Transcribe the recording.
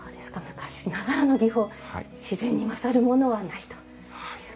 昔ながらの技法自然に勝るものはないということです。